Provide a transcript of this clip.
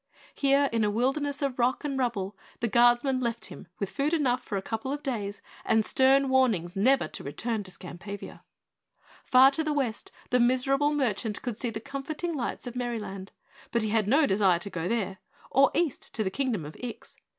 Here, in a wilderness of rock and rubble, the guardsmen left him with food enough for a couple of days and stern warnings never to return to Skampavia. Far to the west the miserable merchant could see the comforting lights of Merryland, but he had no desire to go there or east to the Kingdom of Ix.